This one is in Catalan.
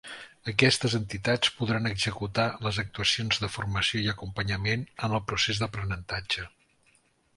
Aquestes entitats podran executar les actuacions de Formació i Acompanyament en el procés d'aprenentatge.